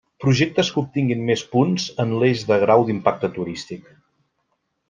Projectes que obtinguin més punts en l'eix de grau d'impacte turístic.